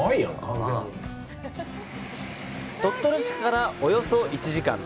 鳥取市からおよそ１時間。